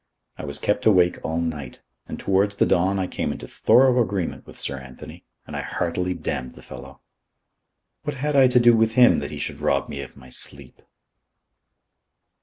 I was kept awake all night, and towards the dawn I came into thorough agreement with Sir Anthony and I heartily damned the fellow. What had I to do with him that he should rob me of my sleep?